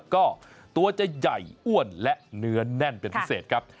ก็ตัวจะใหญ่อ้วนและเนื้อแน่นเป็นพิเศษครับ